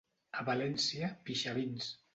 A València, pixavins.